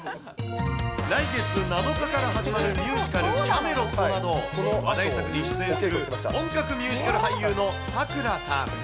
来月７日から始まるミュージカル、キャメロットなど、話題作に出演する本格ミュージカル俳優の咲良さん。